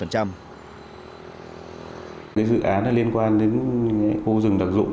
cái dự án liên quan đến khu rừng đặc dụng